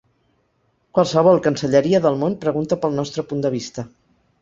Qualsevol cancelleria del món pregunta pel nostre punt de vista.